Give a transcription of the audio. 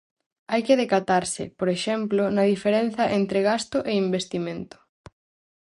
Hai que decatarse, por exemplo, na diferenza entre gasto e investimento.